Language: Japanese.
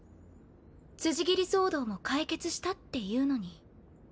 辻斬り騒動も解決したっていうのに。